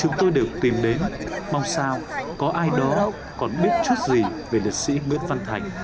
chúng tôi đều tìm đến mong sao có ai đó còn biết chút gì về liệt sĩ nguyễn văn thành